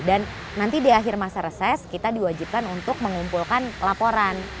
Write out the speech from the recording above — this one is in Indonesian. dan nanti di akhir masa reses kita diwajibkan untuk mengumpulkan laporan